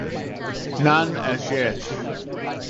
None as yet.